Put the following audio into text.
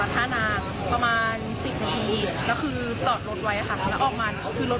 ทางก็คือมันประเภททะเบียนรถ